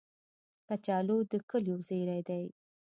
کچالو د کلیو زېری دی